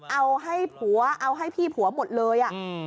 เอาให้ผัวเอาให้พี่ผัวหมดเลย